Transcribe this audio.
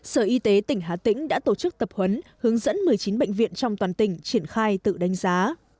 sở y tế tỉnh hà tĩnh đã tổ chức tập huấn hướng dẫn một mươi chín bệnh viện trong toàn tỉnh triển khai tự đánh giá